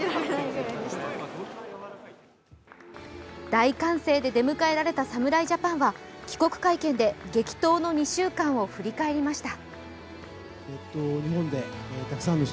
大歓声で出迎えられた侍ジャパンは、帰国会見で激闘の２週間を振り返りました。